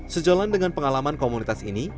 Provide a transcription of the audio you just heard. sejalan dengan pengalaman komunitas ini